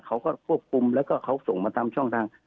เขาก็ควบคุมแล้วก็เขาส่งมาตามช่องทาง